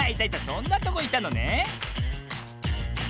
そんなとこいたのね。